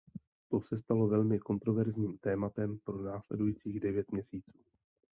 To se stalo velmi kontroverzním tématem pro následujících devět měsíců.